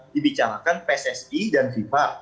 dibicarakan pssi dan viva